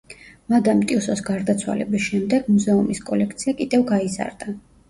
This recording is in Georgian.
მადამ ტიუსოს გარდაცვალების შემდეგ მუზეუმის კოლექცია კიდევ გაიზარდა.